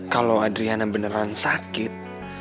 kalau adriana beneran sakit